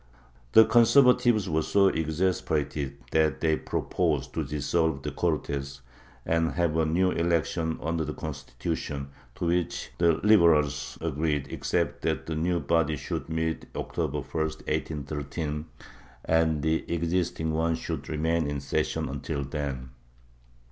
The Conservatives were so exasperated that they proposed to dissolve the Cortes, and have a new election under the Constitution, to which the Liberals agreed, except that the new body should meet October 1, 1813, and the existing one should remain in ses sion until then.